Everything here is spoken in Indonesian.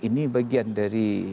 ini bagian dari